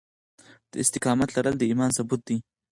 د استقامت لرل د ايمان ثبوت دی.